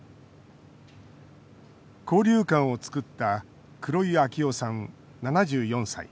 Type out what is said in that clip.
交流館を作った黒井秋夫さん、７４歳。